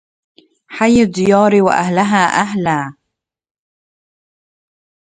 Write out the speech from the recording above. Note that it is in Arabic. حي الديار وأهلها أهلا